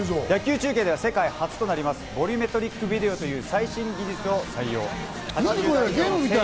野球中継では世界初となりますボリュメトリックビデオという最新ゲームみたい！